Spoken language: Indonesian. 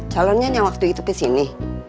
calonnya yang waktu itu kesini